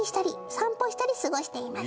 「散歩したりして過ごしています」